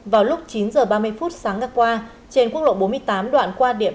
vào lúc chín h ba mươi sáng ngắt qua trên quốc lộ bốn mươi tám đoạn qua đà nẵng